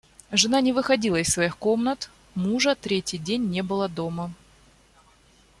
Жена не выходила из своих комнат, мужа третий день не было дома.